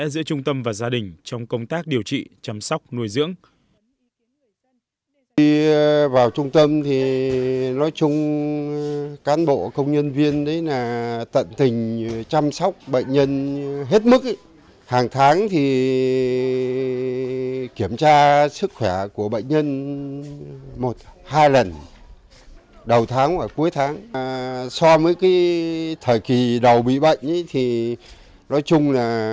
giữa trung tâm và gia đình trong công tác điều trị chăm sóc nuôi dưỡng